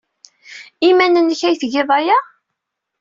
I yiman-nnek ay tgiḍ aya?